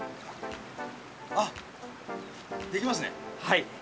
あっ、できますね。